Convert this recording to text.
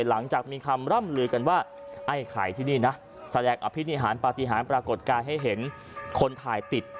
หลังจากมีคำร่ำลือกันว่าไอ้ไข่ที่นี่นะแสดงอภินิหารปฏิหารปรากฏการณ์ให้เห็นคนถ่ายติด